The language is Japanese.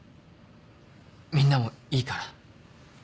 みんなもいいかな？